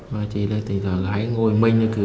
và chị lại tìm ra gái ngồi mình